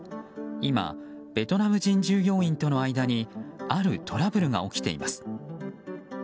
今、ベトナム人従業員との間にあるトラブルが起きています。